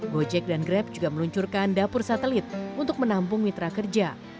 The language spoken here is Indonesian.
gojek dan grab juga meluncurkan dapur satelit untuk menampung mitra kerja